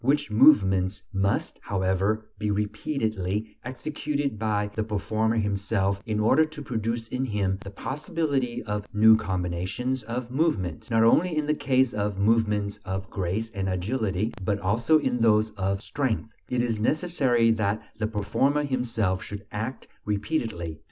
which movements must, however, be repeatedly executed by the performer himself in order to produce in him the possibility of new combinations of movement. Not only in the case of movements of grace and agility, but also in those of strength, it is necessary that the performer himself should act repeatedly.